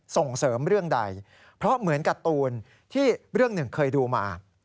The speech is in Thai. ส่งเสริมเรื่องใดเพราะเหมือนการ์ตูนที่เรื่องหนึ่งเคยดูมา